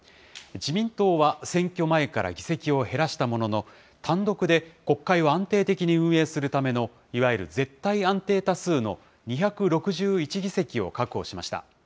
自民党は選挙前から議席を減らしたものの、単独で国会を安定的に運営するための、いわゆる絶対安定多数の２６１議席を確保しました。